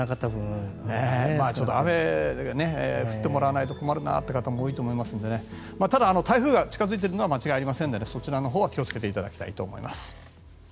雨が降ってもらわないと困るなという方も多いと思いますのでただ、台風が近付いているのは間違いありませんのでそちらのほうは気をつけていただきたいと思います。